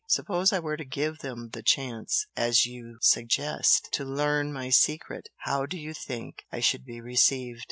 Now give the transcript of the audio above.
Suppose I were to 'give them the chance,' as you suggest, to learn my secret, how do you think I should be received?